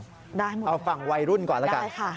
ได้หมดเลยครับได้ค่ะเอาฟังวัยรุ่นก่อนละกัน